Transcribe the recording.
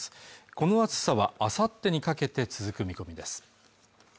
この暑さはあさってにかけて続く見込みです